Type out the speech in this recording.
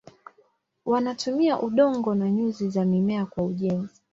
Wanatumia udongo na nyuzi za mimea kwa ujenzi.